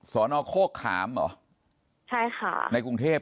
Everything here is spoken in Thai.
สโฆขาโทรดีขามเหรอ